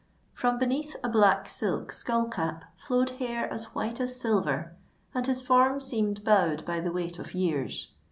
From beneath a black silk skullcap flowed hair as white as silver; and his form seemed bowed by the weight of years.